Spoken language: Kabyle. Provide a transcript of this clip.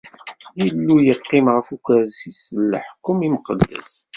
Illu yeqqim ɣef ukersi-s n leḥkwem imqeddes.